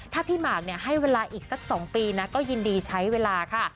ถ้าพี่หมากให้เวลาอีกสัก๒ปีนะก็ยินดีใช้เวลาค่ะ